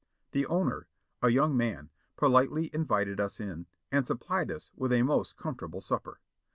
The owner, a young man, politely invited us in and supplied us with a most comfortable supper.